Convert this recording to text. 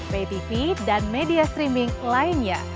ptv dan media streaming lainnya